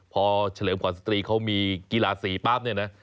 พอเฉลิมขวัญสตรีเขามีกีฬาสีปั๊บเนี่ยนะ